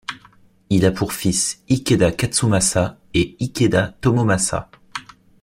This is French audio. Il a pour fils Ikeda Katsumasa et Ikeda Tomomasa.